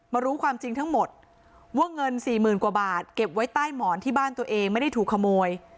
รู้ความจริงทั้งหมดว่าเงินสี่หมื่นกว่าบาทเก็บไว้ใต้หมอนที่บ้านตัวเองไม่ได้ถูกขโมย